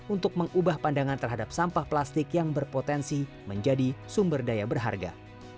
untuk mengubah pandangan terhadap sampah plastik yang berpotensi menjadi sumber daya berharga